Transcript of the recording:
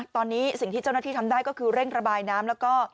ตอนนี้สิ่งที่เจ้าหน้าที่ทำได้ก็คือเร่งระบายน้ำแล้วก็